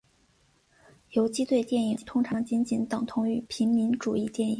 游击队电影通常仅仅等同于平民主义电影。